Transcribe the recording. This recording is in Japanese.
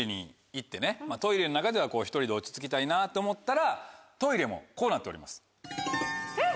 トイレの中では１人で落ち着きたいなって思ったらトイレもこうなっております。